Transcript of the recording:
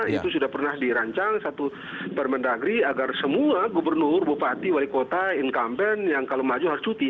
itu sudah pernah dirancang satu permendagri agar semua gubernur bupati wali kota incumbent yang kalau maju harus cuti